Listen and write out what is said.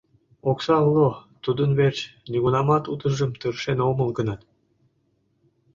— Окса уло, тудын верч нигунамат утыжым тыршен омыл гынат.